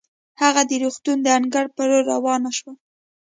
هغه د روغتون د انګړ په لورې روانه شوه.